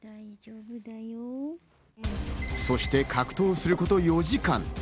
そして格闘すること４時間。